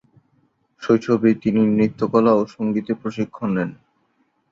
শৈশবেই তিনি নৃত্যকলা ও সঙ্গীতে প্রশিক্ষণ নেন।